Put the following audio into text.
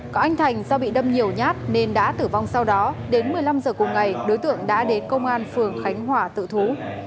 có anh thành do bị đâm nhiều nhát nên đã tử vong sau đó đến một mươi năm giờ cùng ngày đối tượng đã đến công an phường khánh hòa tự thú